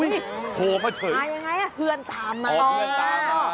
อุ๊ยโธ่พระเฉินอะไรยังไงเพื่อนตามมาอ๋อเพื่อนตามมา